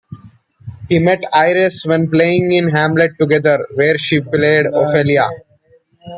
He met Ayres when playing in "Hamlet" together, where she played Ophelia.